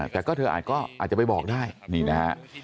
แต่ก็เธออาจจะไปบอกได้นี่นะฮะ